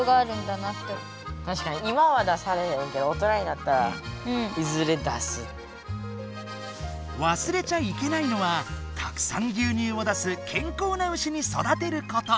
だからこの子たちはわすれちゃいけないのはたくさん牛乳を出す健康な牛にそだてること。